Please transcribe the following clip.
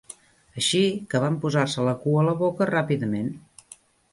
Així que van posar-se la cua a la boca ràpidament.